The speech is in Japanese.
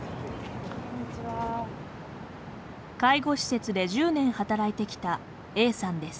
介護施設で１０年働いてきたＡさんです。